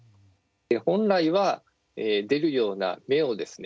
本来は出るような芽をですね